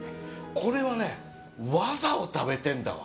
これは技を食べてるんだわ。